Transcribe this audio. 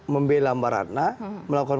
membela mbak ratna melakukan